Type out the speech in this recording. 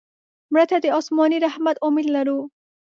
مړه ته د آسماني رحمت امید لرو